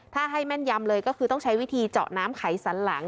ถ้าให้แม่นยำเลยก็คือต้องใช้วิธีเจาะน้ำไขสันหลัง